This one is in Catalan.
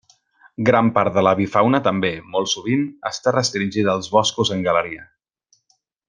Gran part de l'avifauna també, molt sovint, està restringida als boscos en galeria.